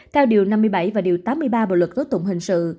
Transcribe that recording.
theo điều năm mươi bảy và điều tám mươi ba bộ luật tố tụng hình sự